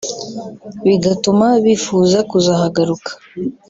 bigatuma bifuza kuzahagaruka